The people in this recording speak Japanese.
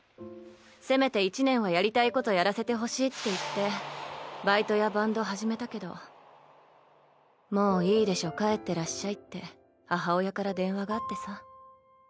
せめて１年はやりたいことやらせてほしいって言ってバイトやバンド始めたけど「もういいでしょ帰ってらっしゃい」って母親から電話があってさ。